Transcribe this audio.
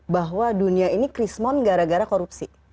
bahwa dunia ini krismon gara gara korupsi